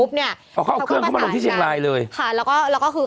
เขาเอาเครื่องเข้ามาลงที่เชียงรายเลย